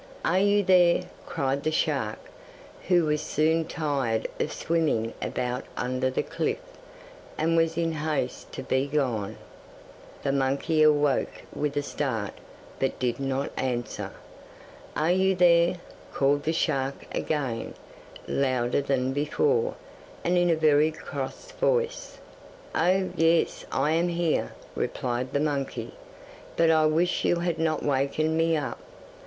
'Are you there?' cried the shark, who was soon tired of swimming about under the cliff, and was in haste to be gone. The monkey awoke with a start, but did not answer. 'Are you there?' called the shark again, louder than before, and in a very cross voice. 'Oh, yes. I am here,' replied the monkey; 'but I wish you had not wakened me up.